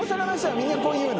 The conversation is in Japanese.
みんなこう言うの？